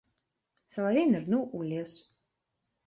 Салавей нырнуў у лес.